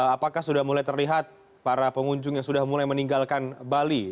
apakah sudah mulai terlihat para pengunjung yang sudah mulai meninggalkan bali